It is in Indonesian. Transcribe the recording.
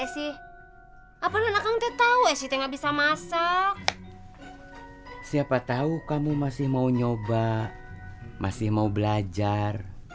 sih apa nanti tahu siti nggak bisa masa siapa tahu kamu masih mau nyoba masih mau belajar